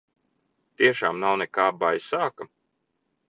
Tiešām nav nekā baisāka?